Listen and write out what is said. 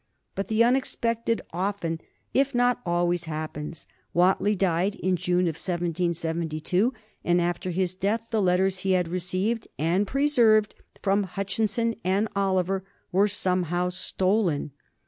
But the unexpected often, if not always, happens. Whately died in the June of 1772, and after his death the letters he had received, and preserved, from Hutchinson and Oliver, were somehow stolen.